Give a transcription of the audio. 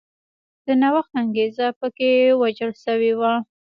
د نوښت انګېزه په کې وژل شوې وه.